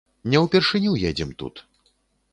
Не ўпершыню едзем тут.